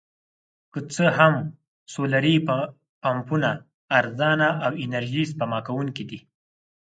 که څه هم سولري پمپونه ارزانه او انرژي سپما کوونکي دي.